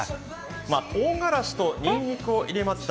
とうがらしとにんにくを入れました